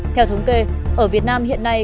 theo thống kê ở việt nam hiện nay